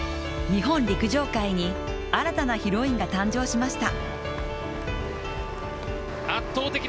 日本陸上界に新たなヒロインが誕生しました。